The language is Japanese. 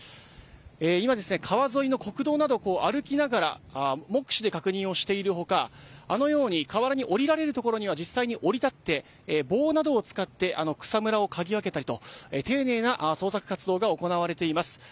今、川沿いの国道などを歩きながら目視で確認している他あのように河原に下りられるところには実際に下り立って棒などを使って草むらをかき分けたり丁寧な捜索活動が行われています。